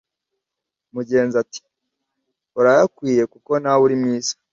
Mugenza ati"urayakwiye kuko nawe uri mwiza"